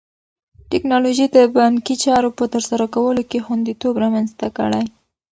ټیکنالوژي د بانکي چارو په ترسره کولو کې خوندیتوب رامنځته کړی.